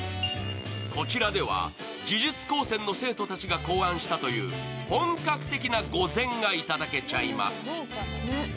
こちらでは呪術高専の生徒たちが考案したという本格的な御膳がいただけちゃいます。